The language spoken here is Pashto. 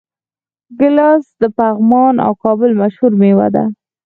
ګیلاس د پغمان او کابل مشهوره میوه ده.